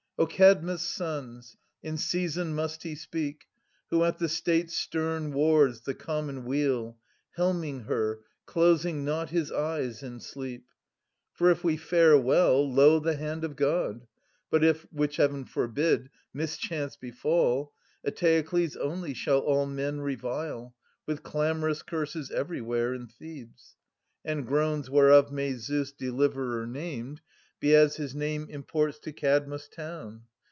O Kadmus' sons, in season must he speak Who at the state's stern wards the common weal, Helming her, closing not his eyes in sleep. For if we fare well — lo, the hand of God ! But if — which Heaven forbid !— ^mischance befall, Eteokles only shall all men revile With clamorous curses everywhere in Thebes, And groans, whereof may Zeus, Deliverer named, Be as his name imports to Kadmus* town.